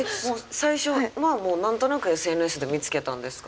最初はもう何となくＳＮＳで見つけたんですか？